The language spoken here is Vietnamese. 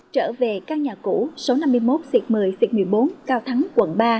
trở về căn nhà cũ số năm mươi một xịt một mươi một mươi bốn cao thắng quận ba